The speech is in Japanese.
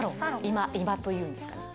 居間というんですかね。